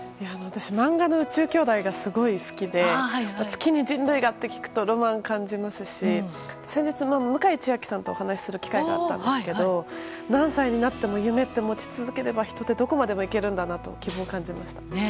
漫画の「宇宙兄弟」がすごく好きで月に人類がって聞くとロマンを感じますし先日、向井千秋さんとお話しする機会があったんですが何歳になっても夢って持ち続ければどこまでもいけるんだなと希望を感じました。